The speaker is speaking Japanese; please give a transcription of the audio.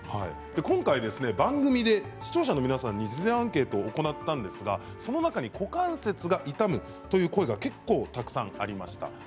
今回、番組で視聴者の皆さんに事前アンケートを行ったんですがその中に股関節が痛むという声が結構たくさんありました。